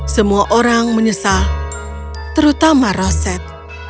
semua orang menyesal terutama roset